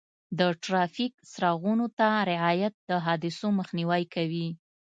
د ټرافیک څراغونو ته رعایت د حادثو مخنیوی کوي.